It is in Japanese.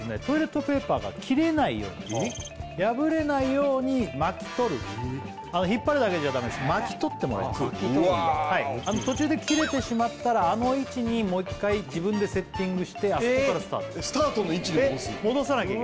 トイレットペーパーが切れないように破れないように巻き取る引っ張るだけじゃダメです巻き取ってもらいます途中で切れてしまったらあの位置にもう一回自分でセッティングしてあそこからスタートですスタートの位置に戻すの？